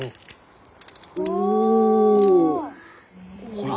ほら。